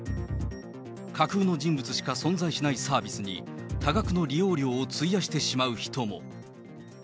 架空の人物しか存在しないサービスに多額の利用料を費やしてしまう人も。